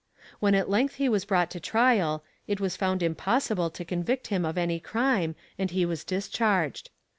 When at length he was brought to trial, it was found impossible to convict him of any crime, and he was discharged.